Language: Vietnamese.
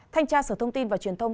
thanh tra sở thông tin và truyền thông